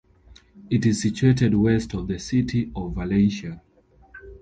It is situated west of the city of Valencia.